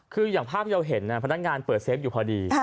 คืออย่างภาพที่เราเห็นพนักงานเปิดเซฟอยู่พอดี